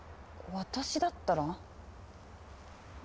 私だったら？